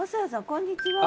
こんにちは。